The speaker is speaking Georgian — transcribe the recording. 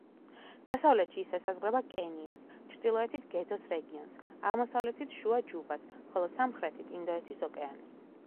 დასავლეთში ის ესაზღვრება კენიას, ჩრდილოეთით გედოს რეგიონს, აღმოსავლეთით შუა ჯუბას, ხოლო სამხრეთით ინდოეთის ოკეანეს.